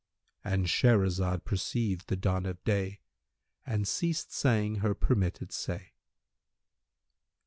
'—And Shahrazad perceived the dawn of day and ceased saying her permitted say.